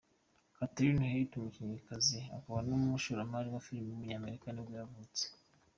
Katherine Heigl, umukinnyikazi akaba n’umushoramari wa filime w’umunyamerika nibwo yavutse.